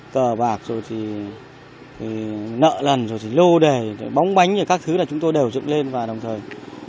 tờ bạc rồi thì nợ lần rồi thì lô đề bóng bánh rồi các thứ là chúng tôi đều dựng lên và đồng thời